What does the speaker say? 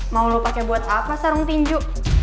mau lo pake buat apa sarung tinju